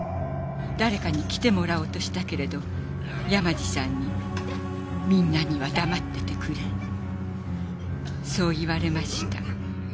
誰かに来てもらおうとしたけれど山路さんにみんなには黙っててくれそう言われました。